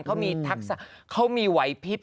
เขามีทักษะเขามีไหวพิษ